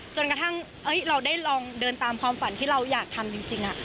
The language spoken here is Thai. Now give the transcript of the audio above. จนกระทั่งเราได้ลองเดินตามความฝันที่เราอยากทำจริง